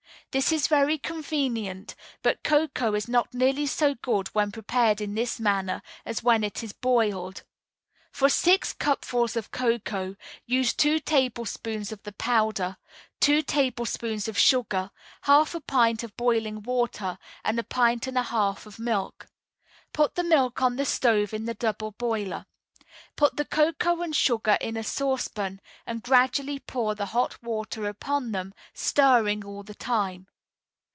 This is very convenient; but cocoa is not nearly so good when prepared in this manner as when it is boiled. For six cupfuls of cocoa use two tablespoonfuls of the powder, two tablespoonfuls of sugar, half a pint of boiling water, and a pint and a half of milk. Put the milk on the stove in the double boiler. Put the cocoa and sugar in a saucepan, and gradually pour the hot water upon them, stirring all the time.